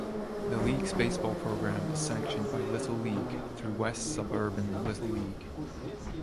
The league's baseball program is sanctioned by Little League, through West Suburban Little League.